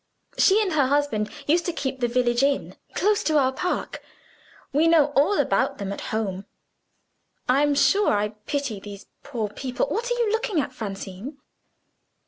She and her husband used to keep the village inn, close to our park: we know all about them at home. I am sure I pity these poor people. What are you looking at, Francine?"